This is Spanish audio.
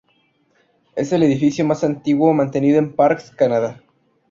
Es el edificio más antiguo mantenido por Parks Canada.